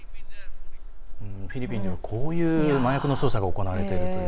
フィリピンではこういう麻薬の捜査が行われているという。